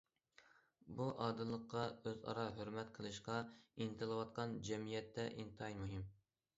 بۇ ئادىللىققا، ئۆز ئارا ھۆرمەت قىلىشقا ئىنتىلىۋاتقان جەمئىيەتتە ئىنتايىن مۇھىم.